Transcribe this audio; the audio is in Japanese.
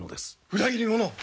裏切り者！